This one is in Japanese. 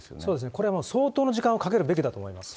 これは相当の時間をかけるべきだと思います。